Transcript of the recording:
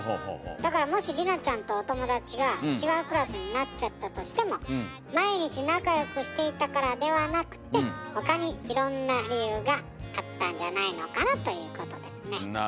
だからもしりなちゃんとお友達が違うクラスになっちゃったとしても毎日仲良くしていたからではなくて他にいろんな理由があったんじゃないのかなということですね。